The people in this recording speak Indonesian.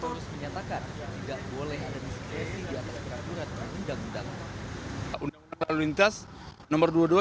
menyatakan tidak boleh ada diskresi di atas peraturan terhendak hendak